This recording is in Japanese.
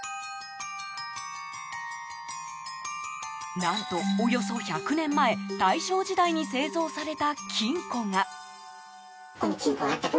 何と、およそ１００年前大正時代に製造された金庫が。